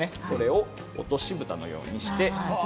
これを、落としぶたのようにして。